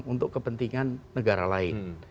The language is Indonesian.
untuk kepentingan negara lain